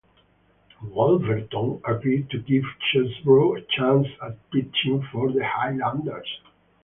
Wolverton agreed to give Chesbro a chance at pitching for the Highlanders.